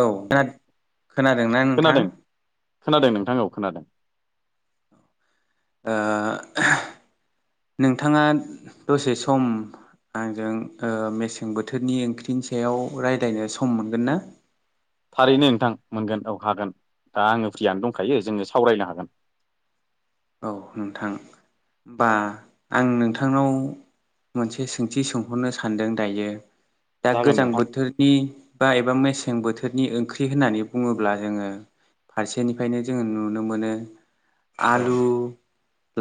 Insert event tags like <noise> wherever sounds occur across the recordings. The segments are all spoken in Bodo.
औ खोन खोनादोंना नोंथां? खोनादों खोनादों नोंथां औ खोनादों। नोंथाङा दसे सम आंजों मेसें बोथोरनि ओंख्रिनि सायाव रायज्लायनो सम मोनगोन ना? थारैनो नोंथां मोनगोन औ हागोन दा आङो फ्रियानो दंखायो जोङो सावरायनो हागोन। <inaudible> औ नोंथां बा आं नोंथांनाव मोनसे सोंथि सोंहरनो सानदों दायो। दा जागोन गोजां नोंथां बोथोरनि बा एबा मेसें मेसें बोथोरनि ओंख्रि होननानै बुङोब्ला जोङो फारसेनिफ्रायनो जोङो नुनो मोनो औ आलु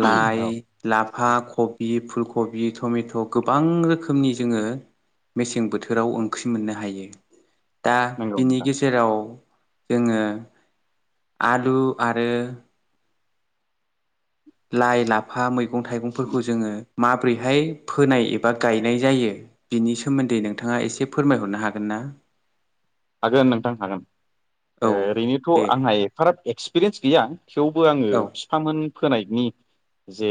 लाइ औ लाफा कबि फुल कबि टमेट' गोबां रोखोमनि जोङो मेसें बोथोराव ओंख्रि मोननो हायो दा नंगौ बिनि नोंथां गेजेराव जोङो आलु आरो लाइ लाफा मैगं थाइगंफोरखौ जोङो माबोरैहाय फोनाय एबा गायनाय जायो बिनि सोमोन्दै नोंथाङा एसे फोरमायहरनो हागोन ना? <inaudible> हागोन नोंथां हागोन औ ओरैनोथ' दे आंहा एफाराब एक्सपिरियेन्स गैया थेवबो आङो औ बिफामोन फोनायनि जे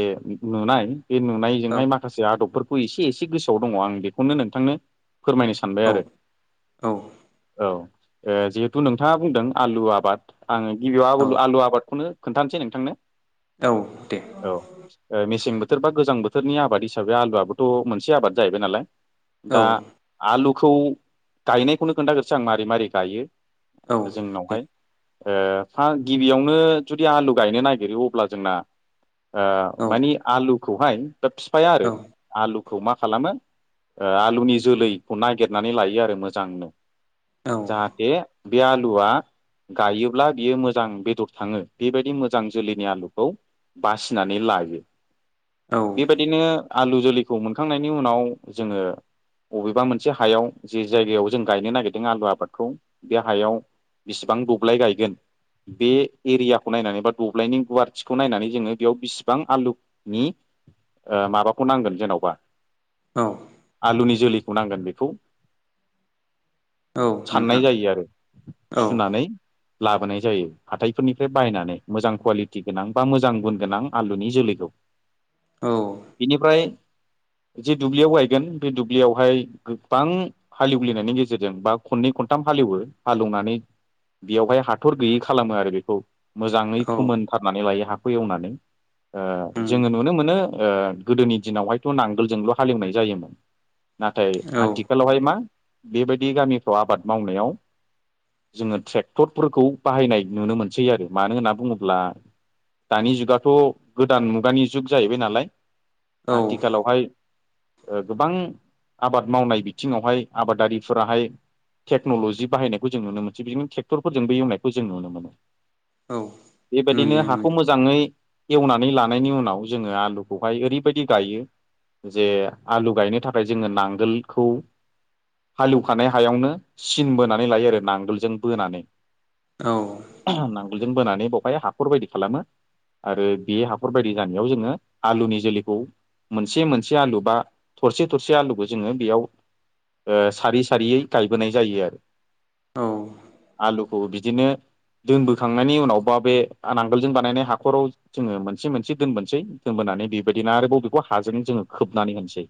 नुनाय बे औ नुनायजोंहाय माखासे आदबफोरखौ एसे एसे गोसोआव दङ आं बेखौनो नोंथांनो फोरमायनो सानबाय औ आरो। औ औ जिहेथु नोंथाङा बुंदों आलु आबाद आङो गिबियाव औ आलु आबादखौनो खोन्थानोसै नोंथांनो औ दे औ मेसिं थोर बा गोजां बोथोरनि आबाद हिसाबै आलुआबोथ' मोनसे आबाद जाहैबाय औ नालाया आ खौ गायनायखौनो खोन्थागोरोसै आं मारै मारै गायो औ दे जोंनावहाय गिबियावनो जुदि आलु गायनो नागिरो अब्ला जोंना ओ औ मानि आलुखौहाय दा बिफाया आरो औ आलु खौ मा खालामो ओ आलुनि जोलैखौ नागिरनानै लायो आरो मोजांनो। जाहाथे बे आलुवा गायोब्ला बियो मोजां बेदर थाङो बेबायदि मोजां जोलैनि आलुखौ बासिनानै लायो औ बेबायदिनो आलु जोलैखौ मोनखांनायनि उनाव जोङो बबेबा मोनसे हायाव जे जायगायाव जों गायनो नागिर दों आलु आबादखौ बे हायाव बिसिबां दब्लाय गायगोन बे एरियाखौ नायनानै बा दब्लायनि गुवारथिखौ नायनानै जोङो बेयाव बिसिबां आलु नि ओ माबाखौ नांगोन जेन'बा औ आलुनि जोलैखौ नांगोन बेखौ औ साननाय नोंथां जायो आरो औ सुनानै लाबोनाय जायो हाथायफोरनिफ्राय बायनानै मोजां कुवालिटि गोनां बा मोजां गुन गोनां आलुनि जोलैखौ औ बेनिफ्राय जे दुब्लियाव गायगोन बे दुब्लियावहाय गोबां हालेवलिनायनि गे जेरजों बा खननै खनथाम हालेवो हालौनानै बेयावहाय हाथर गैयै खालामो आरो बेखौ मोजाङै औ फोमोनथारनानै लायो हाखौ एवनानै ओ उम जोङो नुनो मोनो ओ गोदोनि दिनावहायथ' नांगोलजोंल' हालेवनाय जायोमोन। नाथाय औ आथिखालावहाय नंगौ मा बेबायदि गामिफ्राव आबाद मावनायाव जोङो ट्रेक्टरफोरखौ बाहायनाय नुनो मोनसै आरो मानो होनना बुङोब्ला दानि जुगाथ' गोदान मुगानि जुग जाहैबाय नालाय। औ आथिखालावहाय गोबां आबाद मावनाय बिथिङावहाय आबादारि फोराहाय टेक्न'लजि बाहायनायखौ जों नुनो मोनसै बिदिनो ट्रेक्टरफोरजोंबो एवनायखौ जों नुनो मोनो। औ नुयो बेबायदिनो हाखौ नुयो मोजाङै एवनानै लानायनि उनाव जोङो आलुखौहाय ओरैबायदि गायो जे आलु गायनो थाखाय जोङो नांगोलखौ हालौखानाय हायावनो सिन बोनानै लायो आरो नांगोलजों बोनानै औ नांगोलजों बोनानै बावहाय हाखर बायदि खालामो। आरो बे हाखर बायदि जानायाव जोङो आलुनि जोलैखौ मोनसे मोनसे आलु बा थरसे थरसे आलुखौ जोङो बेयाव ओ सारि सारियै गायबोनाय जायो आरो औ आलुखौ बिदिनो दोनबोखांनायनि उनाव बा बे नांगोलजों बानायनाय हाखराव जोङो मोनसे मोनसे दोनबोनसै दोनबो नानै बेबायदिनो आरोबाव बेखौ हाजों जोङो खोबनानै होनसै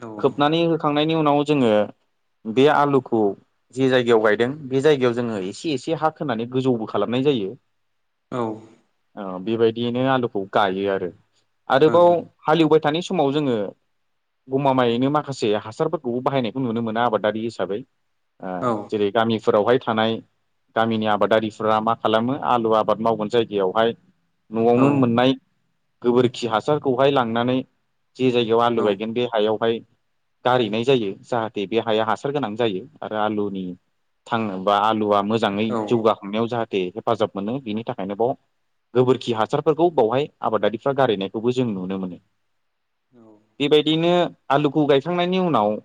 औ ओं खोबनानै होखांनायनि उनाव जोङो बे आलुखौ जे जायगायाव गायदों बे जायगायाव जोङो एसे एसे हा खोनानै गोजौबो खालामनाय जायो। औ आ बेबायदियैनो आलुखौ गायो आरो औ आरोबाव हालौबाय थानाय स समाव जोङो गमामायैनो माखासे हासारफोर खौ बाहायनायखौ नुनो मोना आबादारि हिसाबै औ जेरै गामिफोरावहाय थानाय गामिनि आबादारिफोरा मा खालामो आलु आबाद मावगोन जायगायावहाय औ न'आवनो मोननाय गोबोरखि हासारखौहाय लांनानै जे जायगायाव आलु औ गायगोन बे हायावहाय गारैनाय जायो जाहाथे बे हाया हासार गोनां जायो आरो आलुनि थांनोबा आलुवा मोजाङै जौगाखांनायाव जाहाथे हेफाजाब मोनो बेनि थाखायनो बाव गोबोरखि हासारफोरखौ बावहाय आबादारिफ्रा गारहैनायखौबो जों नुनो मोनो। बेबायदिनो आलुखौ गायखांनायनि उनाव ओ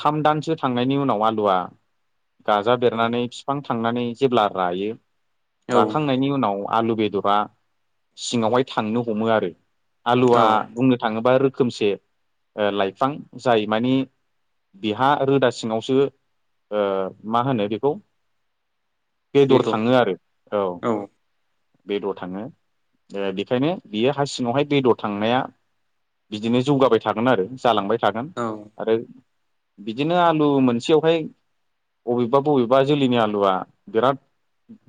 थाम दानसो थांनायनि उनाव आलुआ गाजा औ बेरनानै फिफां थांनानै जेब्ला रायो औ राखांनायनि उनाव आलु बेदरा सिङावहाय थांनो हमो आरो औ आलुआ बुंनो थाङोब्ला रोखोमसे ओ लाइफां जाय मानि बिहा रोदा सिङावसो ओ मा होनो बेखौ बेदर थाङो आरो औ बेदर थाङो दा बेखायनो बियो हा सिङावहाय बेदर थांनाया बिदिनो जौगाबाय थागोन आरो जालांबाय थागोन औ आरो बिदिनो आलु मोनसेयावहाय बबेबा बबेबा जोलैनि आलुआ बिराद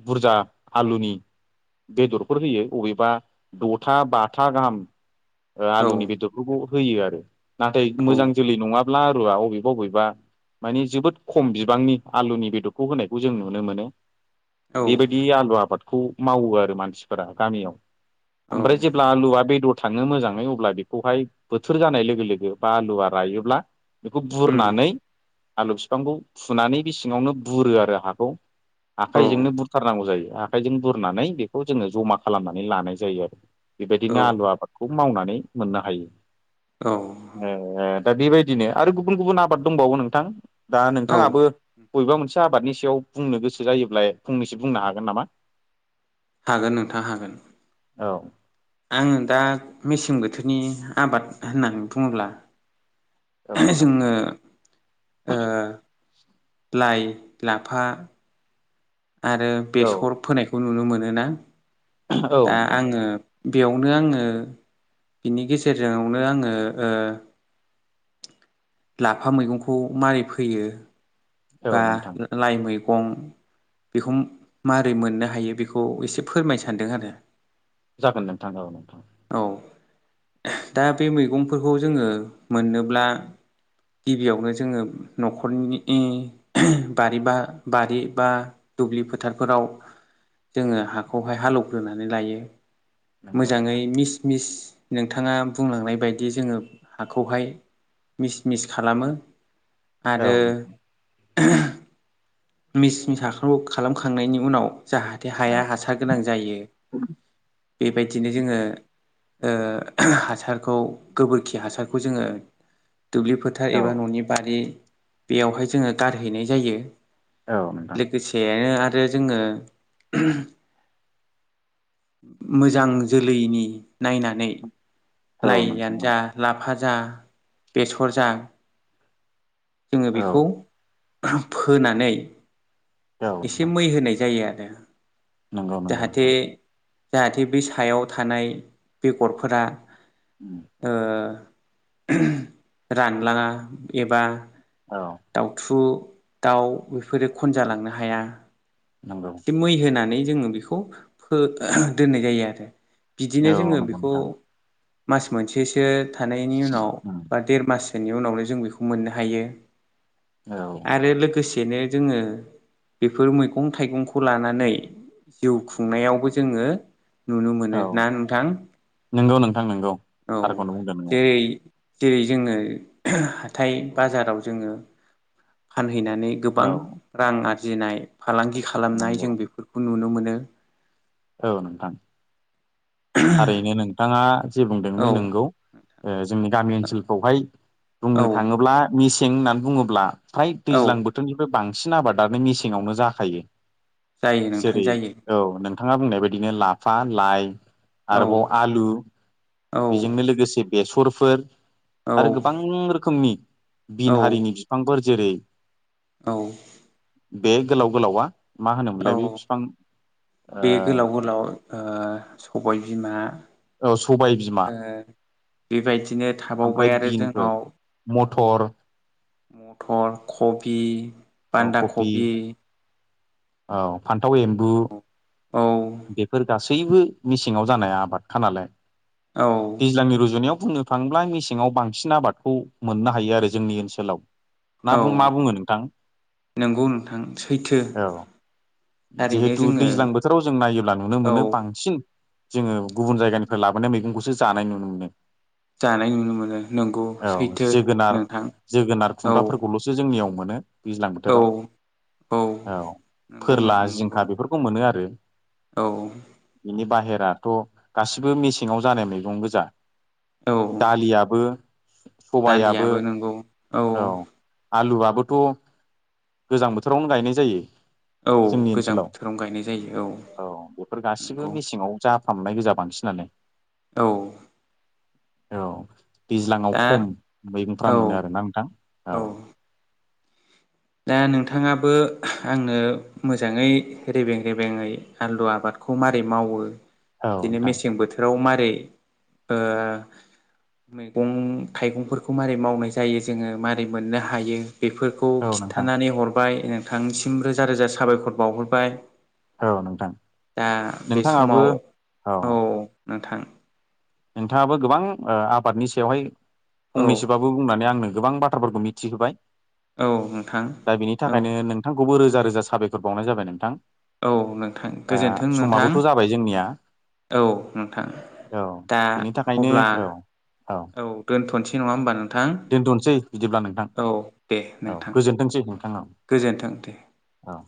बुरजा आलुनि बेदरफोर होयो अबेबा द'था बाथा गाहाम ओ औ आलुनि बेदरफोरखौ होयो आरो नाथाय औ मोजां जोलै नङाब्ला आरुआ अबेबा बबेबा मानि जोबोद खम बिबांनि आलुनि बेदरखौ होनायखौ जों नुनो मोनो बेबायदि आलु आबादखौ मावो आरो मानसिफोरा गामियाव औ आमफ्राय जेब्ला आलुवआ बेदर थाङो मोजाङै अब्ला बेखौहाय बोथोर जानाय लोगो लोगो बा आलुआ रायोब्ला बेखौ उम बुरनानै आलु फिफांखौ फुनानै बे सिङावनो बुरो आरो हाखौ औ आखाइजोंनो बुरथारनांगौ जायो आखाइजों बुरनानै बेखौ जोङो जमा खालामनानै लानाय जायो आरो बेबायदिनो आलु आबादखौ मावनानै मोननो हायो औ ओ दा बेबायदिनो आरो गुबुन गुबुन आबाद दंबावो नोंथां दा औ नोंथाङाबो बबेबा मोनसे आबादनि सायाव बुंनो गोसो जायोब्ला फंनैसो बुंनो हागोन नामा हागोन नोंथां हागोन औ आङो दा मेसें बोथोरनि आबाद होननानै बुङोब्ला औ नोंथां जोङो ओ लाइ लाफा आरो औ बेसर फोनायखौ नुनो मोनो ना औ दा नोंथां आङो बेयावनो आङो बिनि गेजेरजोंआवनो आङो ओ लाफा मैगंखौ मारै फोयो औ बा नोंथां लाइ मैगं बेखौ मारै मोननो हायो बेखौ एसे फोरमाय सानदों आरो जागोन नोंथां औ नोंथां औ दा बे मैगंफोरखौ जोङो मोननोब्ला गिबियावनो जोङो नखरनि बारि बा बारि बा दुब्लि फोथारफोराव जोङो हाखौहाय हालौवग्रोनानै लायो नंगौ मोजाङै नोंथां मिस मिस नोंथाङा बुंलांनाय बायदि जोङो हाखौहाय मिस मिस खालामो आरो औ नोंथां मिस मिस हाखौ खालामखांनायनि उनाव जाहाथे हाया औ हासार गोनां जायो बेबायदिनो जोङो ओ हासारखौ गोबोरखि हासारखौ जोङो दुब्लि फोथार औ एबा न'नि बारि बेयावहाय जोङो गारहैनाय जायो औ नोंथां लोगोसेनो आरो जोङो मोजां जोलैनि नायनानै औ नोंथां लाइयानो जा लाफा जा बेसर जा जोङो औ बेखौ औ फोनानै एसे नोंथां मै होनाय जायो आरो ए नंगौ नंगौ नोंथां जाहाथे बे सायाव थानाय बेगरफोरा ओ रानलाङा एबा औ दाउथु दाउ बेफोरो खनजालांनो हाया नंगौ एसे मै होनानै जोङो बेखौ दोननाय जायो आरो। बिदिनो औ नंगौ जोङो बेखौ नोंथां मास मोनसेसो थानायनि उनाव बा देर मास उनावनो जों बेखौ मोननो हायो औ आरो लोगोसे एसेनो जोङो बेफोर मैगं, मैगं-थाइगंखौ लानानै जिउ खुंनायावबो जोङो नुनो मोनो औ ना नोंथां? नंगौ नोंथां नंगौ औ थारखौनो बुंदों नोङो जेरै- जेरै जोङो हाथाय-बाजाराव जोङो फान हैनानै गोबां औ रां आरजिनाय फालांगि खालामनाय नंगौ जों बेफोरखौ नुनो मोनो। बिदिनो औ नोंथां थारैनो नोंथाङा जे बुंदों बे औ नंगौ, ओ जोंनि गामि ओनसोलखौहाय बुंनो औ थाङोब्ला मेसें होननानै बुङोब्ला फ्राय औ दैज्लां बोथोरनिफ्राय बांसिन आबादानो मेसेंङावनो जाखायो जायो नोंथां जेरै जायो औ नों नोंथां बुंनाय बादिनो लाफा लाइ औ आरोबाव आलु औ बेजोंनो लोगोसे बेसरफोर औ आरो गोबां रोखोमनि औ बिन हारिनि फिफांफोर जेरै औ बे गोलाव गोलावा मा औ होनोमोनलाय बे बिफां बे गोलाव ओ गोलाव ओ सबाय बिमा औ सबाय बिमा, ओ बेबायदिनो ओमफ्राय थाबावबाय आरो बिनफोर जोंनाव औ मथर मथर, खबि, औ बान्दा कफि खबि, औ फान्थाव एम्बु बेफोर गासै बो मेसेङाव जानाय आबादखा नालाय औ दैज्लांनि रुजुनायाव बुंनो थाङोब्ला मेसेङाव बांसिन आबादखौ मोननो हायो आरो जोंनि ओनसोलाव मा औ बुं मा बुङो नोंथां नंगौ नोंथां सैथो औ थारैनो जिहेथु जोङो दैज्लां बोथोराव जों नायोब्ला नुनो औ मोनो बांसिन जोङो गुबुन जायगानिफ्राय लाबोनाय मैगंखौसो जानाय नुनो मोनो। जानाय नुनो मोनो नंगौ औ सैथो जोगोनार नोंथां जोगोनार, औ खुमब्राफोरखौल'सो जोंनियाव मोनो दैज्लां औ बोथोराव औ नंगौ फोरला नोंथां नंगौ जिंखा बेफोरखौ मोनो आरो औ नि बाहेराथ' गासिबो मेसेङाव जानाय मैगं गोजा औ दालियाबो सबायाबो दालियाबो नंगौ औ आलुआबोथ' गोजां बोथोरावनो गायनाय जायो। औ जोंनि गोजां ओनसोलाव बोथोराव गायनाय जायो औ बेफोर गासिबो नंगौ मेसेङाव जा फ्रामनाय गोजा बांसिनानो औ औ दैज्लाङाव दा खम मैगंफ्रा औ मोनो आरोना नोंथां औ दा नोंथाङाबो आंनो मोजाङै रेबें रेबेङै आलु आबाद खौ माबारै मावो औ बिदिनो नोंथां मेसें बोथोराव माबारै मैगं थाइगंफोरखौ मारै मावनाय जायो जोङो मारै मोननो हायो बेफोरखौ औ नोंथां खिन्थानानै हरबाय नोंथांनिसिम रोजा रोजा साबायखर बावहरबाय औ नोंथां दा बे नोंथाङाबो समाव औ औ नोंथां नोंथाङाबो गोबां आबादनि सायावहाय औ फंनैसोबाबो बुंनानै आंनो गोबां बाथ्राफोरखौ मिथिहोबाय, औ नोंथां दा बेनि औ थाखायनो नोंथांखौबो रो जा रोजा साबायखर बावनाय जाबाय नोंथां। औ नोंथां दा गोजोन्थों नोंथां समाबोथ' जाबाय जोंनिया औ नोंथां औ दा बिनि थाखायनो अब्ला औ औ दोनथ'नो सै नङा होनबा नों दोनथनोसै बिदिब्ला नोंथां दे औ नोंथां गोजोनथोंसै नोंथां औ गोजोन्थों दे। औ